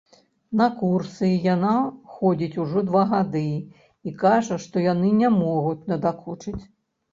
На курсы яна ходзіць ужо два гады і кажа, што яны не могуць надакучыць.